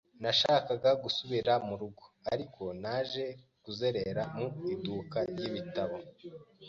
Nashakaga gusubira mu rugo, ariko naje kuzerera mu iduka ry'ibitabo.